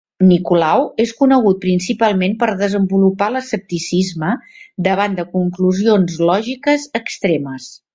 Nicolau és conegut principalment per desenvolupar l'escepticisme davant de conclusions lògiques extremes.